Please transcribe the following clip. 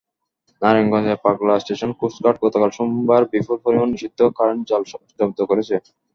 নারায়ণগঞ্জের পাগলা station coast guard গতকাল সোমবার বিপুল পরিমাণ নিষিদ্ধ কারেন্ট জাল জব্দ করেছে।